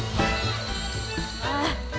ああ！